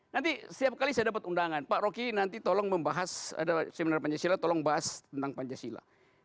nanti setiap kali saya dapat undangan pak rocky nanti tolong membahas sebenarnya pancasila tolong bahas tentang pancasila